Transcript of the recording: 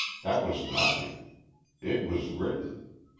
That was nothing. "It was written."